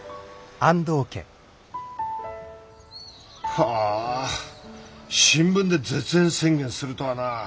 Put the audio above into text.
はあ新聞で絶縁宣言するとはな。